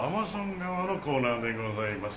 川のコーナーでございます。